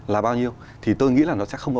là bao nhiêu thì tôi nghĩ là nó sẽ không có